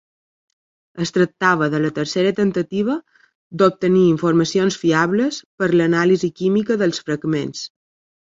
Es tractava de la tercera temptativa d'obtenir informacions fiables per l'anàlisi química dels fragments.